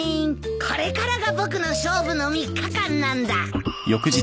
これからが僕の勝負の３日間なんだ。